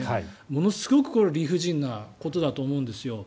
ものすごく、これは理不尽なことだと思うんですよ。